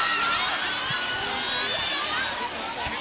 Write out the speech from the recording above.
กรี๊ดซูอานี่พระอาทิตย์